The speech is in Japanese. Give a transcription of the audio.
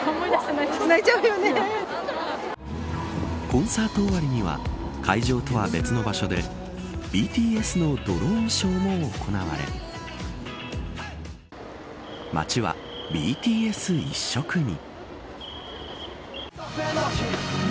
コンサート終わりには会場とは別の場所でＢＴＳのドローンショーも行われ街はＢＴＳ一色に。